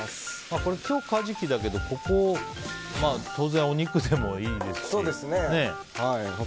今日、カジキだけどこれを当然お肉でもいいですし。